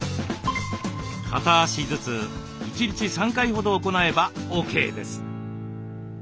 片足ずつ１日３回ほど行えばＯＫです。